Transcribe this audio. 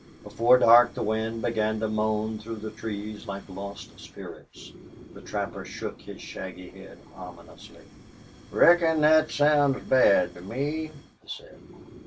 Before dark the wind began to moan through the trees like lost spirits. The trapper shook his shaggy head ominously. "Reckon thet sounds bad to me," he said.